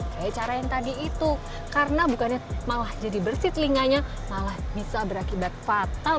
kayak cara yang tadi itu karena bukannya malah jadi bersih telinganya malah bisa berakibat fatal